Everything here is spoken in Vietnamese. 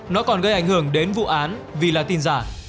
nó còn gây ảnh hưởng đến vụ án vì là tin giả